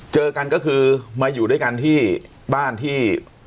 เจอกันก็คือมาอยู่ด้วยกันที่บ้านที่